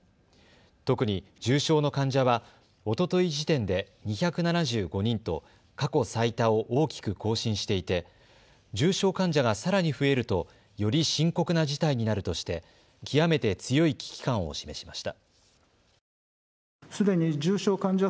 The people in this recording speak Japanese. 特に重症の患者はおととい時点で２７５人と過去最多を大きく更新していて重症患者がさらに増えるとより深刻な事態になるとして極めて強い危機感を示しました。